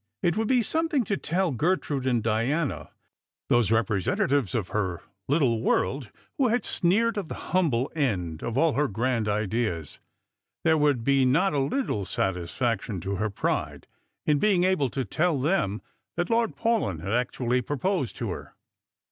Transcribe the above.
It would be something to tell Gertrude and Diana— those representatives of her little world, who had sneered at the humble end of all her grand ideas : there would be not a little satisfaction to her pride in being able to tell them that Lord Paulyn had actually proposed to her.